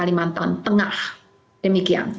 kalimantan tengah demikian